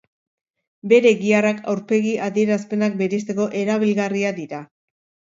Bere giharrak aurpegi-adierazpenak bereizteko erabilgarriak dira.